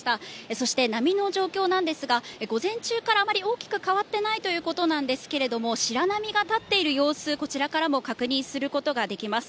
そして波の状況なんですが、午前中からあまり大きく変わってないということなんですけれども、白波が立っている様子、こちらからも確認することができます。